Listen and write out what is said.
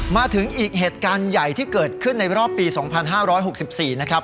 มาถึงอีกเหตุการณ์ใหญ่ที่เกิดขึ้นในรอบปี๒๕๖๔นะครับ